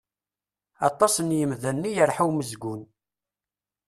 Aṭas n yimdanen i yerḥa umezgun.